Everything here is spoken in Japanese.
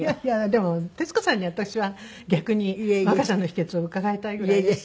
でも徹子さんに私は逆に若さの秘訣を伺いたいぐらいです。